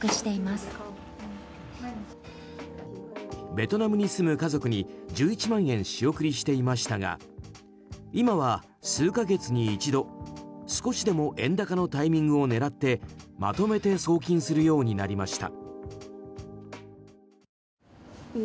ベトナムに住む家族に１１万円仕送りしていましたが今は数か月に一度少しでも円高のタイミングを狙ってまとめて送金するようになりました。